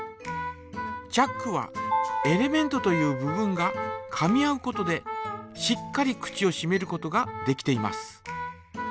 チャックはエレメントという部分がかみ合うことでしっかり口をしめることができています。